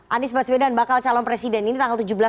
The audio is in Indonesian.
anies baswedan bakal calon presiden ini tanggal tujuh belas